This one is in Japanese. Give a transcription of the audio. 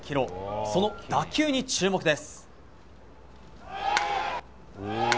その打球に注目です。